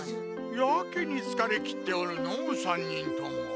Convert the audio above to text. やけにつかれ切っておるのう３人とも。